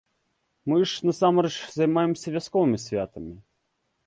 Мы ж, насамрэч, займаемся вясковымі святамі!